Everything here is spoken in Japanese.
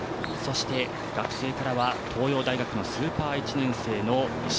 そして、学生からは東洋大学のスーパー１年生。